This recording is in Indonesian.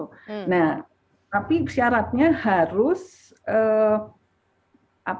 nah tapi syaratnya harus doc games memang bersedia untuk mensyukai dan murdered but not love area nah yang ketika menderita itu ada yang menderita apa